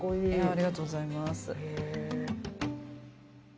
ありがとうございます。